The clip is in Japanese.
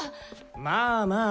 まあまあ。